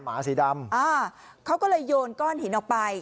หมาสีดำอ่าเขาก็เลยโยนก้อนหินออกไป